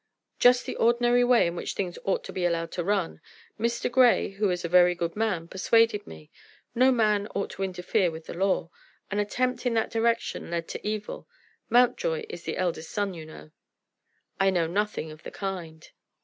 "Just the ordinary way in which things ought to be allowed to run. Mr. Grey, who is a very good man, persuaded me. No man ought to interfere with the law. An attempt in that direction led to evil. Mountjoy is the eldest son, you know." "I know nothing of the kind."